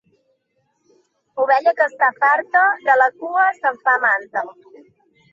Ovella que està farta, de la cua se'n fa manta.